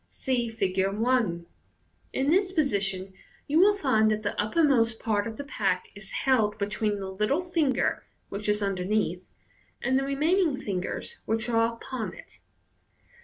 (See Fig. 1 ) In this position you will find that the uppermost part of the pack is held between the little finger, which is underneath, and the remaining fingers, which are upon it.